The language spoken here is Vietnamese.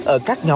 ở các trường hợp